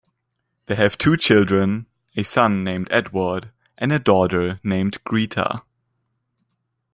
They have two children, a son named Edward and a daughter named Greta.